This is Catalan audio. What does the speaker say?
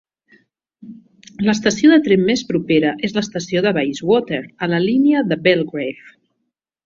L'estació de tren més propera és l'estació de Bayswater, a la línia de Belgrave.